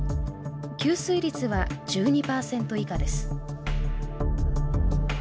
吸水率は１２％以下です